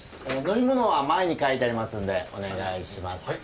お飲み物は前に書いてありますのでお願いします。